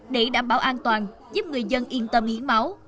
để đảm bảo an toàn giúp người dân yên tâm hiến máu